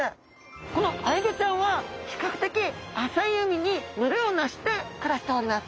このアイギョちゃんは比較的浅い海に群れをなして暮らしております。